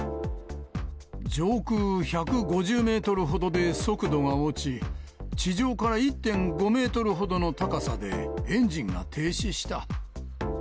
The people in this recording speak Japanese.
上空１５０メートルほどで速度が落ち、地上から１．５メートルほどの高さでエンジンが停止した。